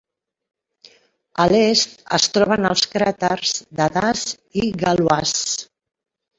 A l'est es troben els cràters de Das i Galois.